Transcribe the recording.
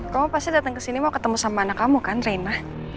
kamu pasti datang ke sini mau ketemu sama anak kamu kan reina